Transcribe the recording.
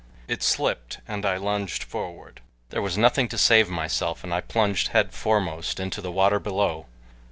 It slipped and I lunged forward. There was nothing to save myself and I plunged headforemost into the water below.